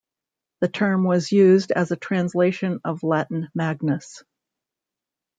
The term was used as a translation of Latin "magnus".